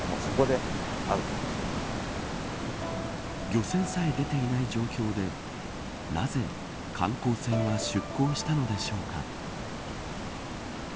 漁船さえ出ていない状況でなぜ、観光船は出港したのでしょうか。